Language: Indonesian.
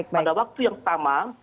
pada waktu yang pertama